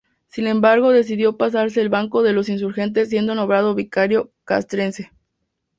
Sin embargo decidió pasarse al bando de los insurgentes siendo nombrado vicario castrense.